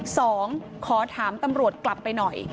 ขอถามตำรวจกลับไปหน่อย